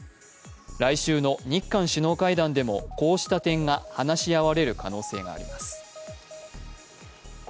来週の日韓首脳会談でもこうした点が話し合われる可能性があります。